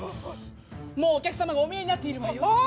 もうお客様がお見えになっているわよあ！